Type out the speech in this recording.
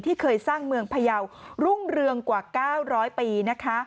ที่เคยสร้างเมืองพยาวรุ่งเรืองกว่า๙๐๐ปีนะคะ